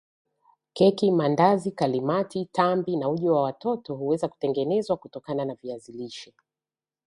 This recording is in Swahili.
Keki Maandazi Kalimati tambi na uji wa watoto huweza kutengenezwa kutokana na viazi lishe